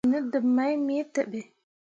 Mo dǝrriki ne deb mai me teɓe.